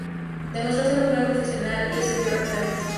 Demostró ser un gran profesional y ascendió rápidamente.